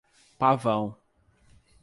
Pavão